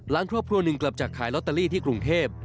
ครอบครัวหนึ่งกลับจากขายลอตเตอรี่ที่กรุงเทพ